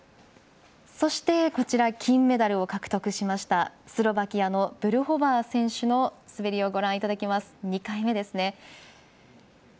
そして、金メダルを獲得しましたスロバキアのブルホバー選手の滑りをご覧いただきます。